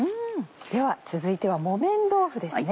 では続いては木綿豆腐ですね。